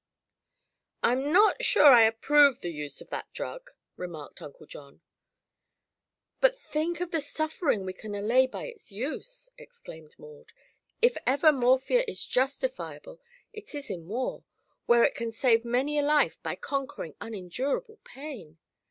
"I'm not sure I approve the use of that drug," remarked Uncle John. "But think of the suffering we can allay by its use," exclaimed Maud. "If ever morphia is justifiable, it is in war, where it can save many a life by conquering unendurable pain.